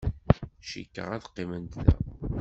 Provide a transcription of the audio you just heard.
Cikkeɣ ad qqiment da.